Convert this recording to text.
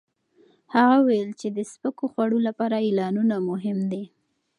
هغه وویل چې د سپکو خوړو لپاره اعلانونه مهم دي.